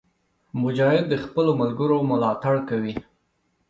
مجاهد د خپلو ملګرو ملاتړ کوي.